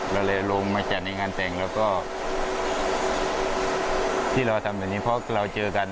เราเลยลงมาจัดในงานแต่งแล้วก็ที่เราทำแบบนี้เพราะเราเจอกัน